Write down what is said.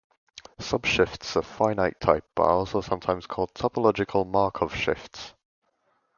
Subshifts of finite type are also sometimes called topological Markov shifts.